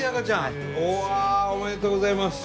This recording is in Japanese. おめでとうございます。